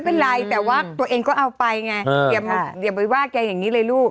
ไรแต่ว่าตัวเองก็เอาไปไงอย่าไปว่าแกอย่างนี้เลยลูก